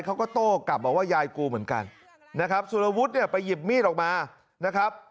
เขาก็โต้กลับมาบอกว่ายายกูเหมือนกันสุรวุฒิไปหยิบมีดออกมา